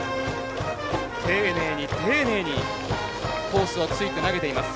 丁寧に丁寧にコースをついて投げています。